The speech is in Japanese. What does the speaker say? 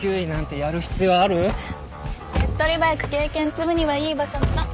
手っ取り早く経験積むにはいい場所なの。